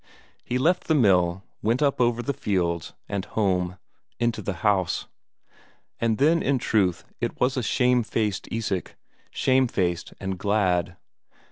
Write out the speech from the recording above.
He left the mill, went up over the fields, and home into the house. And then in truth it was a shamefaced Isak, shamefaced and glad.